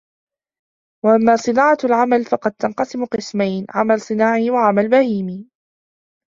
وَأَمَّا صِنَاعَةُ الْعَمَلِ فَقَدْ تَنْقَسِمُ قِسْمَيْنِ عَمَلٌ صِنَاعِيٌّ ، وَعَمَلٌ بَهِيمِيٌّ